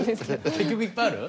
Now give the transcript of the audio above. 結局いっぱいある？